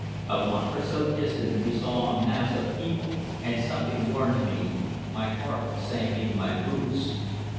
A block or so distant we saw a mass of people, and something warned me my heart sank into my boots.